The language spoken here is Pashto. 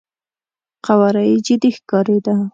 قواره يې جدي ښکارېده.